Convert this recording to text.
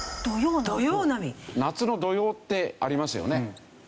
夏の土用ってありますよね。